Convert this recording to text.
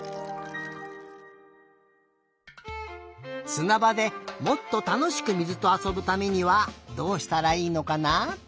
すなばでもっとたのしく水とあそぶためにはどうしたらいいのかな？